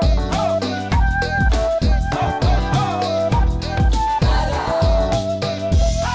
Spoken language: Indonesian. tasik tasik tasik